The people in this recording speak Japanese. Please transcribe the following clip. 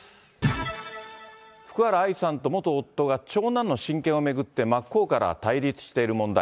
福原愛さんと元夫が長男の親権を巡って、真っ向から対立している問題。